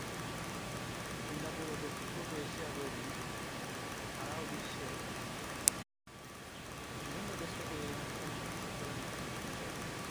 Singapore এবং দক্ষিণ-পূর্ব এশিয়ার রোগী ছাড়াও সারা বিশ্বে বিভিন্ন দেশ থেকে এই হাসপাতালে চিকিৎসাসেবা নিতে মানুষ আসে।